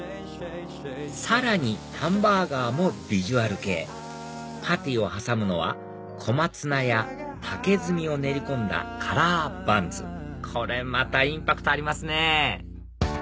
さらにハンバーガーもビジュアル系パテを挟むのは小松菜や竹炭を練り込んだカラーバンズこれまたインパクトありますね